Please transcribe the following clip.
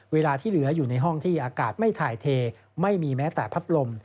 เวลาที่เหลืออยู่ในห้องที่อากาศไม่ถ่ายเทไม่มีแม้แต่พัดลม